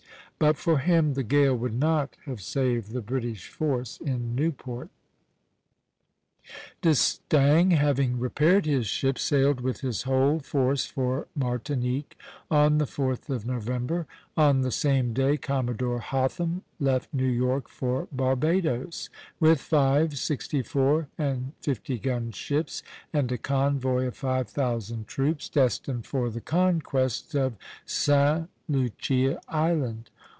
But for him the gale would not have saved the British force in Newport. D'Estaing, having repaired his ships, sailed with his whole force for Martinique on the 4th of November; on the same day Commodore Hotham left New York for Barbadoes, with five sixty four and fifty gun ships and a convoy of five thousand troops, destined for the conquest of Sta. Lucia Island.